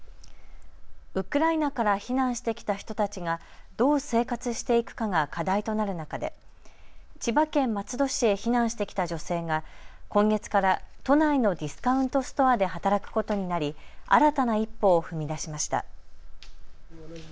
ウクライナから避難してきた人たちが、どう生活していくかが課題となる中で千葉県松戸市へ避難してきた女性が今月から都内のディスカウントストアで働くことになり新たな一歩を踏み出しました。